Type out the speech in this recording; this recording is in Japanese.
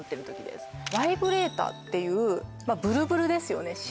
バイブレーターっていうブルブルですよね